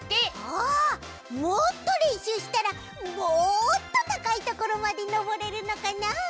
あもっとれんしゅうしたらもっとたかいところまでのぼれるのかなあ？